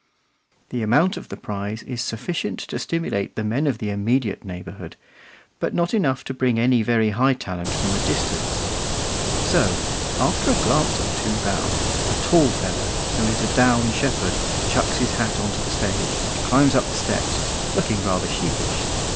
The amount of the prize is sufficient to stimulate the men of the immediate neighbourhood, but not enough to bring any very high talent from a distance; so, after a glance or two round, a tall fellow, who is a down shepherd, chucks his hat on to the stage and climbs up the steps, looking rather sheepish.